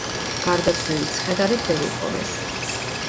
გარდაცვლილის ცხედარი ვერ იპოვეს.